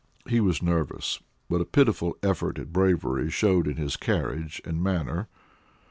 He was nervous, but a pitiful effort at bravery showed in his carriage and manner.